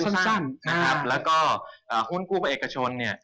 ระยะสั้นนะครับก็หุ้นกู้ภาเอกชนเนี่ย